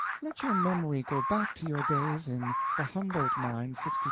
Let your memory go back to your days in the Humboldt mines '62 '63.